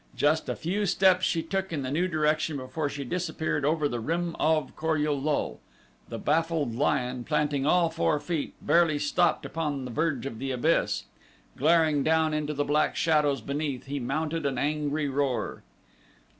Just a few steps she took in the new direction before she disappeared over the rim of Kor ul lul. The baffled lion, planting all four feet, barely stopped upon the verge of the abyss. Glaring down into the black shadows beneath he mounted an angry roar.